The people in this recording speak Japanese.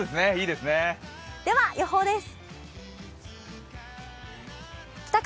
では予報です。